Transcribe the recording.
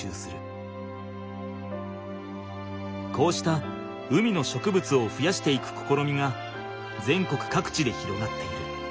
こうした海の植物をふやしていくこころみが全国かくちで広がっている。